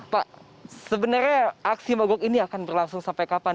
pak sebenarnya aksi mogok ini akan berlangsung sampai kapan